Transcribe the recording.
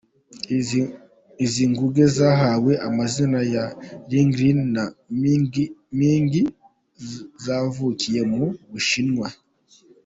Izi nguge zahawe amazina ya Lingling na Mingming zavukiye mu Bushinwa.